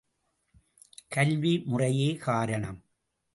கல்வி முறையே காரணம்.